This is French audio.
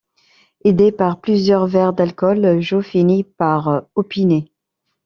Aidé par plusieurs verres d'alcool, Joe finit par opiner.